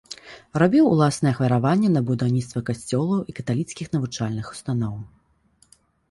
Рабіў уласныя ахвяраванні на будаўніцтва касцёлаў і каталіцкіх навучальных устаноў.